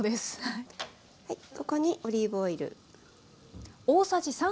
ここにオリーブオイル。